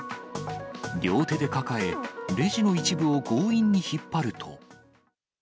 両手で抱え、レジの一部を強引に引っ張ると。